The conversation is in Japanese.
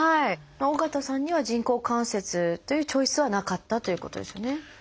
緒方さんには人工関節というチョイスはなかったということですよね。